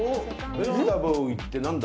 ベジタブルいって何だ？